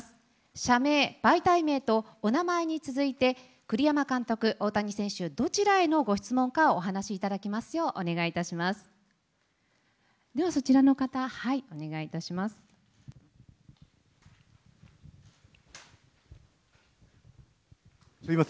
社名、媒体名とお名前に続いて、栗山監督、大谷選手、どちらへのご質問かをお話しいただきますようお願いいたします。